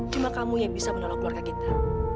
cuma kamu yang bisa menolong keluarga kita